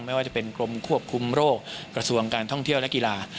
ไม่ว่าจะเป็นกรมควบคุมโรคกระทรวงการท่องเที่ยวและกีฬา